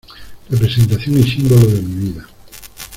representación y símbolo de mi vida.